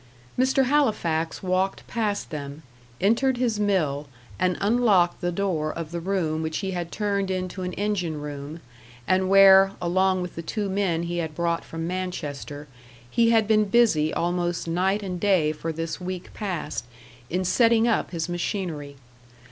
Mr. Halifax walked past them, entered his mill, and unlocked the door of the room which he had turned into an engine room, and where, along with the two men he had brought from Manchester, he had been busy almost night and day for this week past in setting up his machinery.